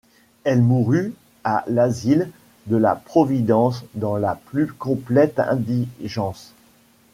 Elle mourut à l'Asile de la Providence dans la plus complète indigence.